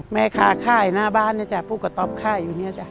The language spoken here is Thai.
แม่ค้าค่ายหน้าบ้านเนี่ยจ้ะผู้กระต๊อปค่ายอยู่เนี่ยจ้